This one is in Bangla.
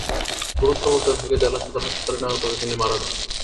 গুরুতর অবস্থায় তাঁকে জেলা সদর হাসপাতালে নেওয়ার পথে তিনি মারা যান।